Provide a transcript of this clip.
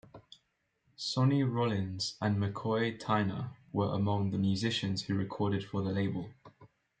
Sonny Rollins and McCoy Tyner are among the musicians who recorded for the label.